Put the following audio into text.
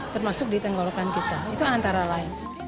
termasuk di tenggorokan kita itu antara lain